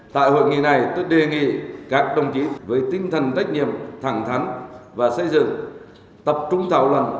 tại hội nghị này tôi đề nghị các đồng chí với tinh thần trách nhiệm thẳng thắn và xây dựng tập trung thảo luận